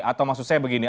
atau maksud saya begini